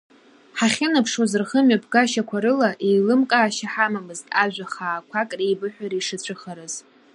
Ҳахьынаԥшуаз рхымҩаԥгашьақәа рыла еилымкаашьа ҳамамызт ажәа хаақәак реибыҳәара ишацәыхараз.